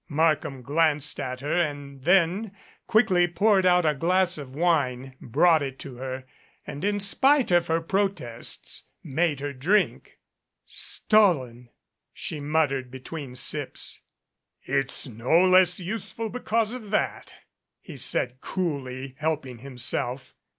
Markham glanced at her and then quickly poured out a glass of wine, brought it to her, and in spite of her pro tests made her drink. "Stolen," she muttered between sips. "It's no less useful because of that," he said, coolly helping himself.